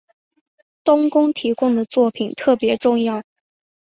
冬宫提供的作品特别重要。